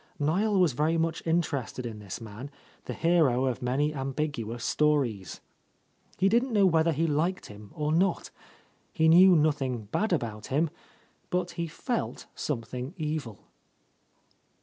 Niel was very much interested in this man, the hero of many ambiguous stories. He didn't know whether he liked him or not. He knew nothing bad about him, but he felt something evil.